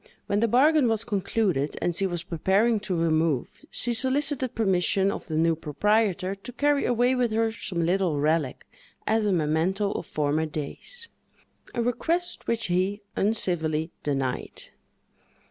When the bargain was concluded, and she was preparing to remove, she solicited permission of the new proprietor to carry away with her some little relic as a memento of former days—a request which he uncivilly denied.